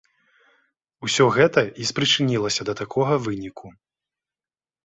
Усё гэта і спрычынілася да такога выніку.